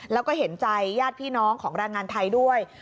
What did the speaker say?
แล้วก็เห็นใจญาติพี่น้องของแรงงานไทยด้วย